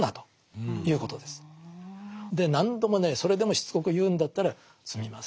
で何度もねそれでもしつこく言うんだったらすみませんと。